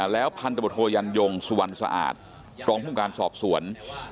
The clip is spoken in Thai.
แล้วพันธบทโทยันยงสุวรรณสะอาดรองภูมิการสอบสวน